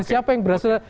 siapa yang berhasil